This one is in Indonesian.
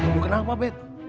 lu kenapa bet